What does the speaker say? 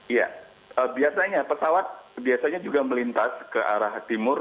iya biasanya pesawat biasanya juga melintas ke arah timur